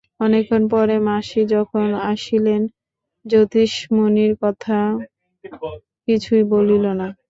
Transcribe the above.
অনেকক্ষণ পরে মাসি যখন আসিলেন যতীন মণির কথা কিছুই বলিল না।